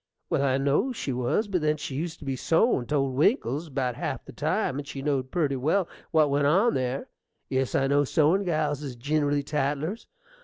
well, I know she was; but then she used to be sewin' 't old Winkle's about half the time, and she know'd purty well what went on there: yes, I know sewin' gals is ginerally tattlers....